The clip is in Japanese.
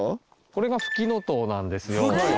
これがフキノトウなんですよ。